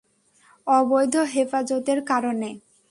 অবৈধ হেফাজতের কারণে?